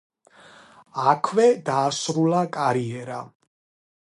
აქვე დაასრულა კარიერა.